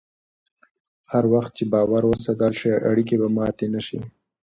هر وخت چې باور وساتل شي، اړیکې به ماتې نه شي.